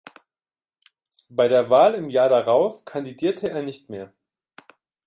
Bei der Wahl im Jahr darauf kandidierte er nicht mehr.